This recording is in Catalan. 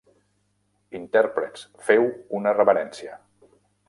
Intèrprets, feu una reverència!